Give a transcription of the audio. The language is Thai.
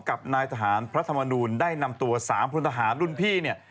กับนายทหารพระธรรมนูลได้นำตัว๓พลทหารรุ่นพี่เนี่ย